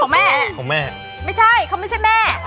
ไม่ใช่เขาไม่ใช่แม่